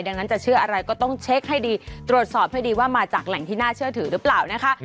ดังนั้นจะเชื่ออะไรก็ต้องเช็คให้ดีตรวจสอบให้ดีว่ามาจากแหล่งที่น่าเชื่อถือหรือเปล่านะคะ